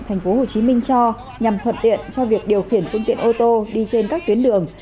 thành phố hồ chí minh cho nhằm thuận tiện cho việc điều khiển phương tiện ô tô đi trên các tuyến đường